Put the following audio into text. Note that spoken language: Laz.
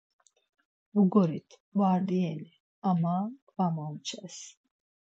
Vugorit, vardiyeni ama va momçes.